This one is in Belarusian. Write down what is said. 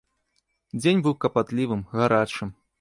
Дзень быў капатлівым, гарачым.